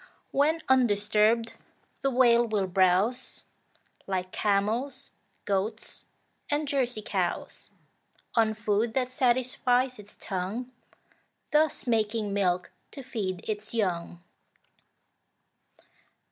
When undisturbed, the Whale will browse Like camels, goats, and Jersey cows, On food that satisfies its tongue, Thus making milk to feed its young.